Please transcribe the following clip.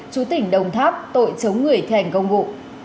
chủ tỉnh đồng tháp tội chống người thẻnh công vụ